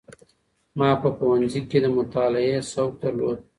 ما په پوهنځي کي د مطالعې سوق درلود.